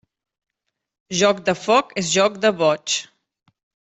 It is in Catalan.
Joc de foc és joc de boig.